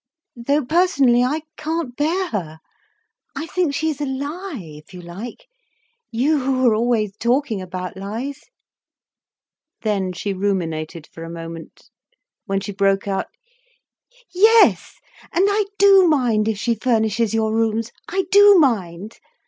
"Though personally, I can't bear her. I think she is a lie, if you like, you who are always talking about lies." Then she ruminated for a moment, when she broke out: "Yes, and I do mind if she furnishes your rooms—I do mind.